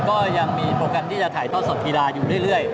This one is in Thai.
ก็ยังมีโปรแกรมที่จะถ่ายทอดสดกีฬาอยู่เรื่อย